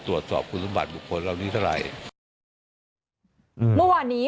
ตรวจสอบคุณสมบัติบุคคลเหล่านี้เท่าไหร่อืมเมื่อวานนี้